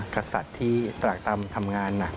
กษัตริย์ที่ตลาดตรัมป์ทำงาน